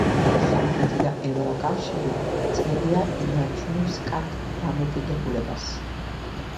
სომხეთი და ევროკავშირი წლებია ინარჩუნებს კარგ დამოკიდებულებას.